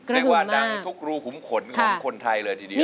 เรียกว่าดังทุกรูขุมขนของคนไทยเลยทีเดียว